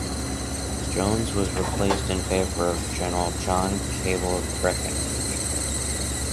Jones was replaced in favor of General John Cabell Breckinridge.